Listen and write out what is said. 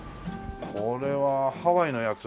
これはハワイのやつ？